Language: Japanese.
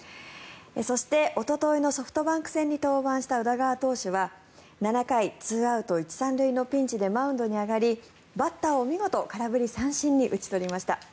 そして、おとといのソフトバンク戦に登板した宇田川投手は７回、２アウト１・３塁のピンチでマウンドに上がりバッターを見事空振り三振に打ち取りました。